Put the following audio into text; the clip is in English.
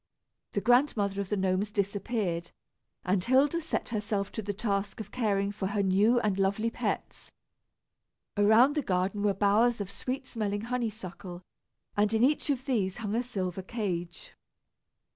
The Grandmother of the Gnomes disappeared, and Hilda set herself to the task of caring for her new and lovely pets. Around the garden were bowers of sweet smelling honeysuckle, and in each of these hung a silver cage.